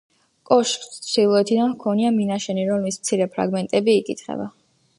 კოშკს ჩრდილოეთიდან ჰქონია მინაშენი, რომლის მცირე ფრაგმენტები იკითხება.